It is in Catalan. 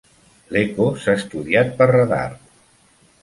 L'eco s'ha estudiat per radar.